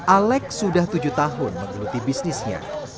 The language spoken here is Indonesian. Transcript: alek sudah tujuh tahun mengikuti bisnisnya